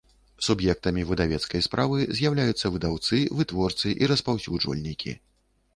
Суб’ектамi выдавецкай справы з’яўляюцца выдаўцы, вытворцы i распаўсюджвальнiкi.